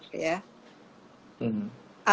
apa sih yang ingin dicapai dengan kita menggunakan facial ya